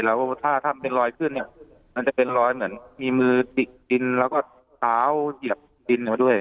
แล้วถ้าถ้าเป็นรอยขึ้นเนี่ยมันจะเป็นรอยเหมือนมีมือดิกดินแล้วก็เท้าเหยียบดินเขาด้วย